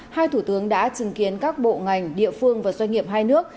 hai thủ tướng đã chứng kiến các bộ ngành địa phương và doanh nghiệp hai nước